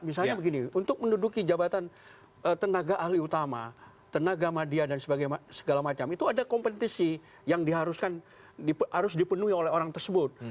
misalnya begini untuk menduduki jabatan tenaga ahli utama tenaga media dan segala macam itu ada kompetisi yang dipenuhi oleh orang tersebut